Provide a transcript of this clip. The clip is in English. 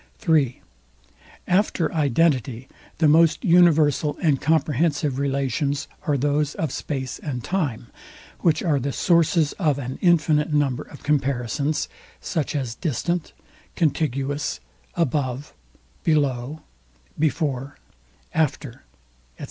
(3) After identity the most universal and comprehensive relations are those of SPACE and TIME, which are the sources of an infinite number of comparisons, such as distant, contiguous, above, below, before, after, etc.